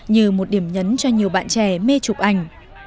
như một điểm nhấn cho nhiều bạn trẻ mê chụp ảnh